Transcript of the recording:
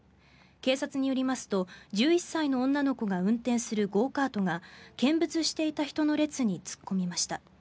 警察によりますと１１歳の女の子が運転するゴーカートが見物していた人の列に突っ込みました。